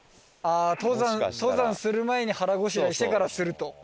ああ登山する前に腹ごしらえしてからすると。